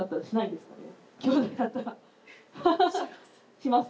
します？